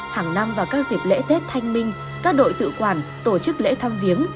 hàng năm vào các dịp lễ tết thanh minh các đội tự quản tổ chức lễ thăm viếng